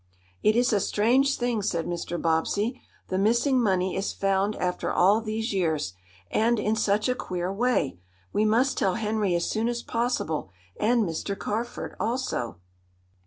"It is a strange thing," said Mr. Bobbsey. "The missing money is found after all these years, and in such a queer way! We must tell Henry as soon as possible, and Mr. Carford also."